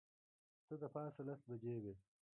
څه د پاسه لس بجې وې.